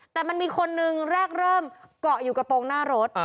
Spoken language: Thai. แต่มันมีคนนึงแรกเริ่มเกาะอยู่กระโปรงหน้ารถ